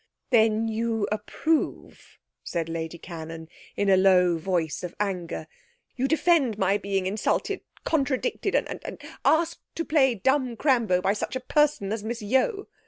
'Then you approve?' said Lady Cannon in a low voice of anger; 'you defend my being insulted, contradicted, and and asked to play dumb crambo by such a person as Miss Yeo!'